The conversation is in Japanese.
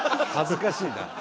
恥ずかしいな。